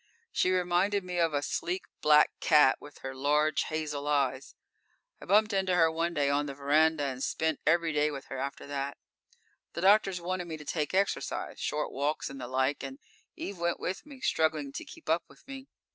She reminded me of a sleek, black cat, with her large, hazel eyes. I bumped into her one day on the verandah, and spent every day with her after that._ _The doctors wanted me to take exercise short walks and the like, and Eve went with me, struggling to keep up with me.